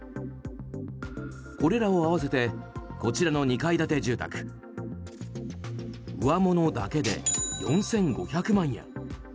これらを合わせてこちらの２階建て住宅上物だけで、４５００万円。